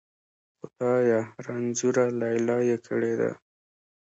خدایه! رنځوره لیلا یې کړې ده.